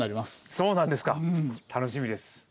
そうなんですか楽しみです。